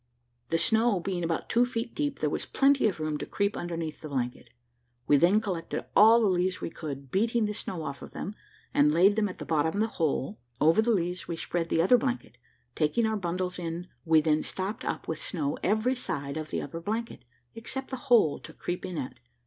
The snow being about two feet deep, there was plenty of room to creep underneath the blanket. We then collected all the leaves we could, beating the snow off them, and laid them at the bottom of the hole; over the leaves we spread the other blanket, and taking our bundles in, we then stopped up with snow every side of the upper blanket, except the hole to creep in at.